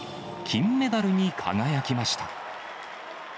金メダルに輝きました。